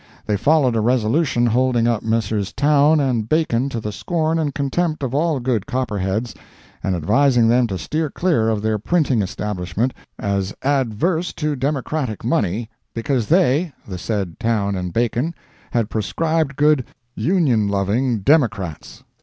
Then followed a resolution holding up Messrs. Towne & Bacon to the scorn and contempt of all good Copperheads, and advising them to steer clear of their printing establishment, as "adverse to Democratic money," because they, the said Towne & Bacon, had proscribed good "Union loving Democrats."